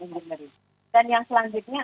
indonesia dan yang selanjutnya